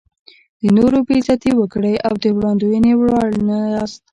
د نورو بې عزتي وکړئ او د وړاندوینې وړ نه یاست.